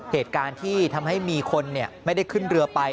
เหตุการณ์ที่ทำให้มีคนไม่ได้ขึ้นเรือไป